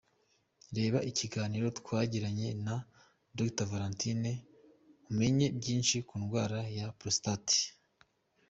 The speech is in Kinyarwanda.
Reba ikiganiro twagiranye na Dr Valentine umenye byinshi ku ndwara ya Prostate.